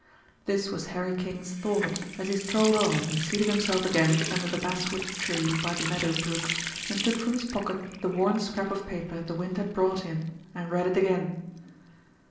This was Harry King's thought as he strolled on and seated himself again under the basswood tree by the meadow brook, and took from his pocket the worn scrap of paper the wind had brought him and read it again.